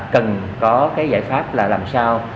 cần có cái giải pháp là làm sao